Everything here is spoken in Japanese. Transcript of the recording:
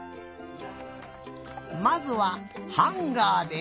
まずはハンガーで。